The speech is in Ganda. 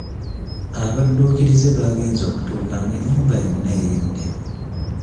Abadduukirize baagenze okutuuka nga ennyumba yonna eyidde.